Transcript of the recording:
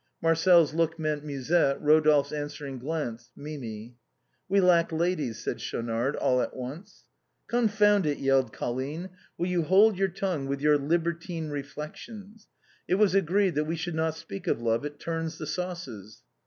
Marcel's look meant Musette, Eodolphe's answering glance, Mimi. " We lack ladies," said Schaunard, all at once. " Confound it," yelled Colline ;" will you hold your tongue with your libertine reflections. It was agreed that we should not speak of love, it turns the sauces."